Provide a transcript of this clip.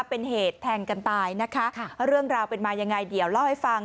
เป็นเหตุแทงกันตายนะคะเรื่องราวเป็นมายังไงเดี๋ยวเล่าให้ฟัง